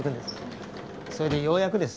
それでようやくです。